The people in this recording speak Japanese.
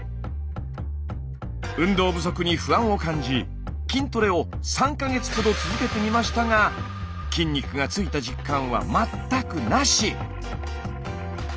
運動不足に不安を感じ筋トレを３か月ほど続けてみましたが筋肉がついた実感は全くなし！